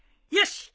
よし！